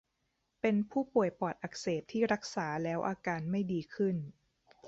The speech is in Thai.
เป็นผู้ป่วยปอดอักเสบที่รักษาแล้วอาการไม่ดีขึ้น